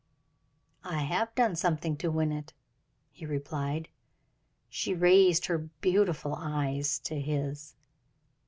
"I have done something to win it," he replied. She raised her beautiful eyes to his.